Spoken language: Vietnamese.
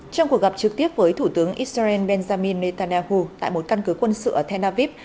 trong cuộc gặp trực tiếp với thủ tướng israel benjamin netanyahu tại một căn cứ quân sự ở tel aviv